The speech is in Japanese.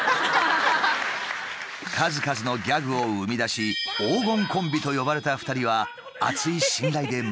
数々のギャグを生み出し「黄金コンビ」と呼ばれた２人は厚い信頼で結ばれていた。